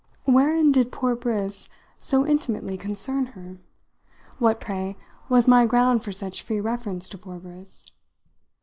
Wherein did poor Briss so intimately concern her? What, pray, was my ground for such free reference to poor Briss?